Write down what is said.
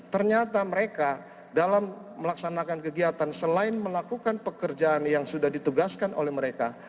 ternyata mereka dalam melaksanakan kegiatan selain melakukan pekerjaan yang sudah ditugaskan oleh mereka